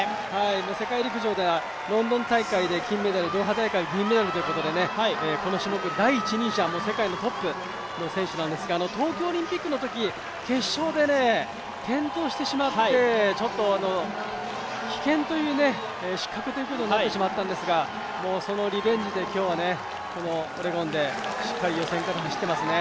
世界陸上ではロンドン大会で金メダル、ドーハ大会、銀メダルということでこの種目、第一人者、世界のトップの選手なんですが東京オリンピックのとき決勝で転倒してしまって、棄権、失格ということになってしまったんですがそのリベンジで今日はオレゴンでしっかり予選から走ってますね。